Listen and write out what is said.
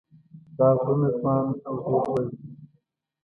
دا غرونه ځوان او ډېر لوړ دي.